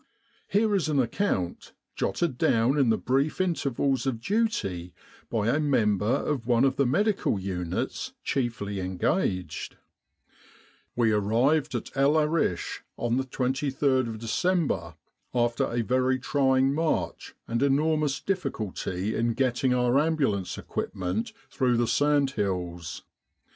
Here is an account, 129 With the R.A.M.C. in Egypt jotted down in the brief intervals of duty, by a member of one of the medical units chiefly engaged :" We ag ived at El Arish on the 23rd December after a very trying march and enormous difficulty in getting our ambulance equipment through the sand hills.